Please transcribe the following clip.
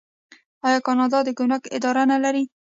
آیا کاناډا د ګمرک اداره نلري؟